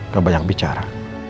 gak banyak bicara